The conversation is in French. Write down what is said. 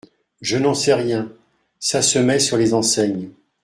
Je n’en sais rien… ça se met sur les enseignes.